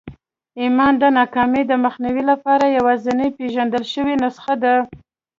ايمان د ناکامۍ د مخنيوي لپاره يوازېنۍ پېژندل شوې نسخه ده.